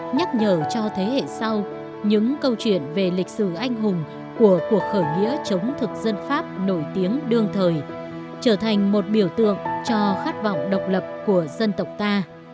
nhắc nhở cho thế hệ sau những câu chuyện về lịch sử anh hùng của cuộc khởi nghĩa chống thực dân pháp nổi tiếng đương thời trở thành một biểu tượng cho khát vọng độc lập của dân tộc ta